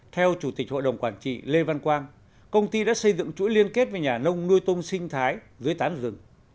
theo chủ tịch hội đồng quản trị lê văn quang công ty đã xây dựng chuỗi liên kết với nhà nông nuôi tôm sinh thái dưới tán rừng